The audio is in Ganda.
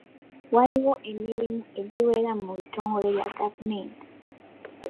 Waliyo emirimu egiwera mu bitongole bya gavumenti.